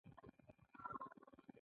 هلته د دارو یو اوږد قطار جوړ شو.